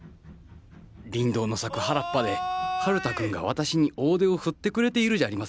リンドウの咲く原っぱで春太くんが私に大手を振ってくれているじゃありませんか。